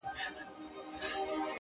اخلاق د انسان خاموشه ځواک دی!